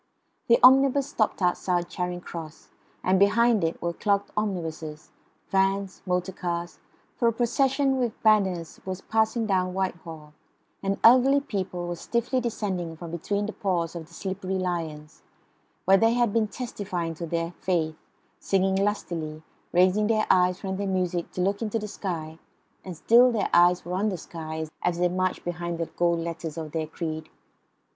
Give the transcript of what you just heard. The omnibus stopped outside Charing Cross; and behind it were clogged omnibuses, vans, motor cars, for a procession with banners was passing down Whitehall, and elderly people were stiffly descending from between the paws of the slippery lions, where they had been testifying to their faith, singing lustily, raising their eyes from their music to look into the sky, and still their eyes were on the sky as they marched behind the gold letters of their creed.